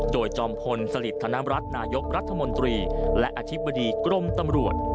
โดยจอมพลสลิดธนรัฐนายกรัฐมนตรีและอธิบดีกรมตำรวจ